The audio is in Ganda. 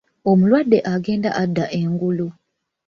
Omulwadde agenda adda engulu.